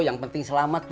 yang penting selamat